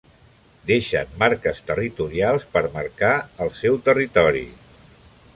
Deixen marques territorials per marcar del seu territori.